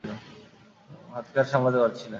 হাতকে আর সামলাতে পাচ্ছি নে।